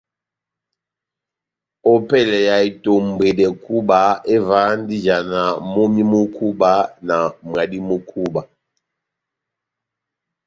Ópɛlɛ ya itombwedɛ kúba, evahandi ijana momí mu kúba na mwadi mú kúba.